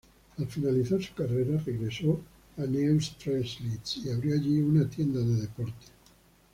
Al finalizar su carrera regresó a Neustrelitz y abrió allí una tienda de deportes.